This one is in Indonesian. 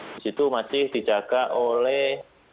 di situ masih dijaga oleh